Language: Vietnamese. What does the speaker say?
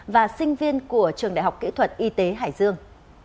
và sinh viên của trường đại học kỹ thuật y tế hải dương